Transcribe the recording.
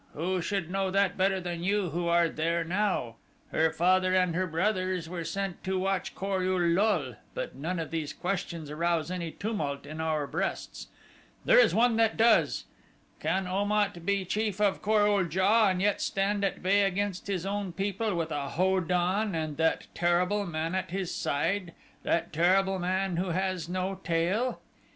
Who should know that better than you who are there now? Her father and her brothers were sent to watch Kor ul lul; but neither of these questions arouse any tumult in our breasts. There is one that does: Can Om at be chief of Kor ul JA and yet stand at bay against his own people with a Ho don and that terrible man at his side that terrible man who has no tail?